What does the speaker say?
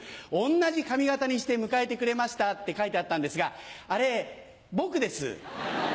同じ髪形にして迎えてくれました」って書いてあったんですがあれ僕です。